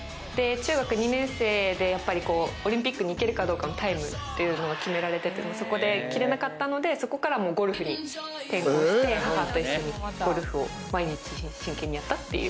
中学２年生でオリンピックに行けるかどうかのタイムっていうのが決められてて、そこで切れなかったので、そこからゴルフに転向して、母と一緒にゴルフを毎日真剣にやったという。